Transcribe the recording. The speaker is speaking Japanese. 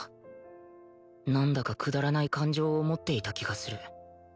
なんだかくだらない感情を持っていた気がする